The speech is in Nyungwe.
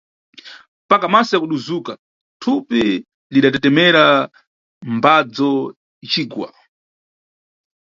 Mpaka, maso yakuduzuka, thupi litdatetemera mbadzo icigwa.